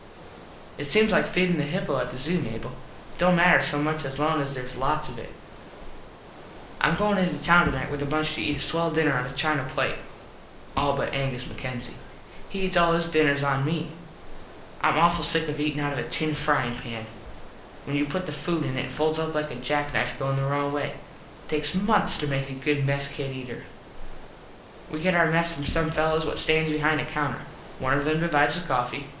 It seems like feedin the hippo at the zoo, Mable. It dont matter so much as long as theres lots of it. Im goin into town tonite with a bunch to eat a swell dinner on a china plate. All but Angus MacKenzie. He eats all his dinners on me. Im awful sick of eatin out of a tin fryin pan. When you put food in it it folds up like a jacknife goin the wrong way. It takes months to make a good mess kit eater. We get our mess from some fellos what stands behind a counter. One of them divides the coffee.